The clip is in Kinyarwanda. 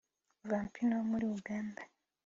Vampino wo muri Uganda